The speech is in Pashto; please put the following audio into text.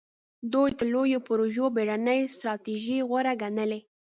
دوی تر لویو پروژو بېړنۍ ستراتیژۍ غوره ګڼلې.